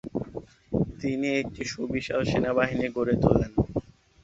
তিনি একটি সুবিশাল সেনাবাহিনী গড়ে তোলেন।